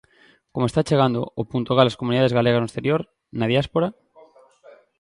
Como está chegando o puntogal ás comunidades galegas no exterior, na diáspora?